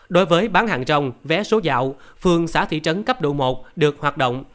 đối với bán hàng trồng vé số dạo phường xã thị trấn cấp độ một được hoạt động